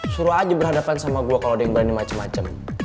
suruh aja berhadapan sama gue kalau ada yang berani macem macem